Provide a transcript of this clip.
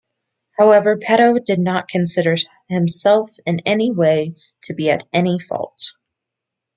However, Peto did not consider himself in any way to be at any fault.